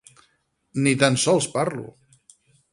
Ni tan sols parlo.